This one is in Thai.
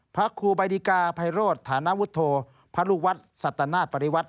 พระครูบาดิกาไพโรธฐานวุฒโธพระลูกวัดสัตนาศปริวัติ